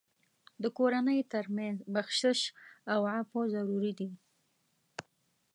د کورنۍ تر منځ بخشش او عفو ضروري دي.